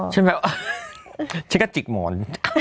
ฉันแบบฉันก็จิกหมอน